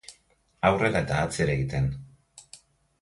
Aurrera eta atzera egiten.